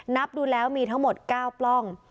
นับดูแล้วมีทั้งหมด๙ปล้อง